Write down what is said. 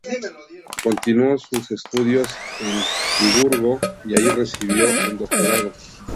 Continuó sus estudios en Friburgo y allí recibió un doctorado.